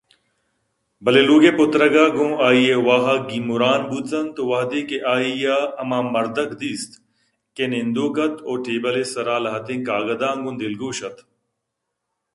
بلئے لوگ ءِ پترگ ءَ گوں آئی ءِ واہگ گیمراں بوت اَنت وہدے کہ آئیءَ ہمامردک دیست کہ نندوک اَت ءُٹیبل ءِ سرا لہتیں کاگداں گوں دلگوش اَت